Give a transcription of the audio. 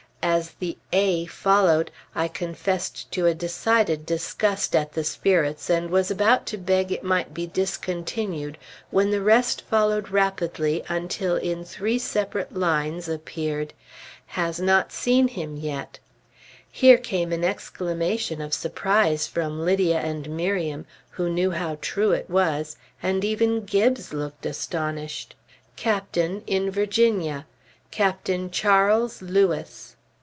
As the "a" followed, I confess to a decided disgust at the Spirits, and was about to beg it might be discontinued when the rest followed rapidly until in three separate lines appeared, "Has not seen him yet" (here came an exclamation of surprise from Lydia and Miriam, who knew how true it was, and even Gibbes looked astonished). "Captain, in Virginia. Captain Charles Lewis."